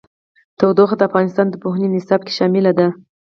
تودوخه د افغانستان د پوهنې نصاب کې شامل دي.